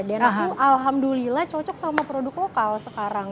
dan aku alhamdulillah cocok sama produk lokal sekarang